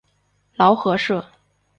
劳合社。